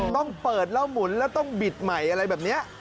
ต้องเปิดแล้วหมุนแล้วต้องบิดใหม่อะไรแบบนี้